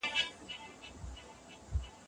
هغوی خپله خوشالي له نورو سره شریکوي.